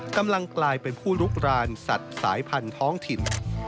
กำลังกลายเป็นผู้ลุกรานสัตว์สายพันธุ์ท้องถิ่น